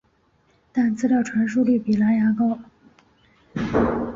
但资料传输率比蓝牙高。